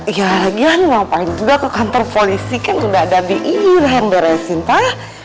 ya lagi ya ngapain juga ke kantor polisi kan udah ada biin yang beresin pak